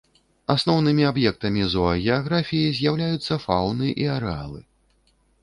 Асноўнымі аб'ектамі зоагеаграфіі з'яўляюцца фаўны і арэалы.